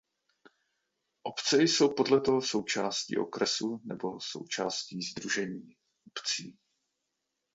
Obce jsou podle toho součástí okresu nebo součástí sdružení obcí.